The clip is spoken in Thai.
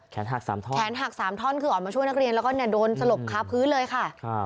หัก๓ท่อนแขนหัก๓ท่อนคือออกมาช่วยนักเรียนแล้วก็โดนสลบคาพื้นเลยค่ะ